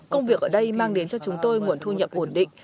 công việc ở đây mang đến cho chúng tôi nguồn thu nhập ổn định